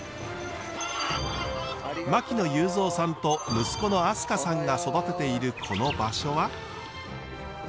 牧野裕三さんと息子の飛鳥さんが育てているこの場所は。